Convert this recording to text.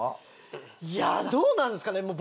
いやどうなんですかね？